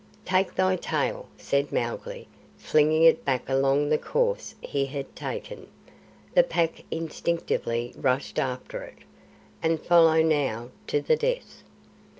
"Take thy tail," said Mowgli, flinging it back along the course he had taken. The Pack instinctively rushed after it. "And follow now to the death."